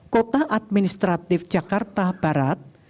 kota administratif jakarta barat